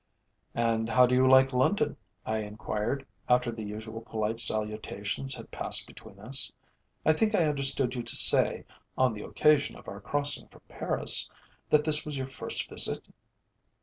"And how do you like London?" I enquired, after the usual polite salutations had passed between us. "I think I understood you to say, on the occasion of our crossing from Paris, that this was your first visit?"